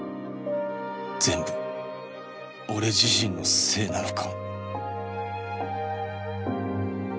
全部俺自身のせいなのか？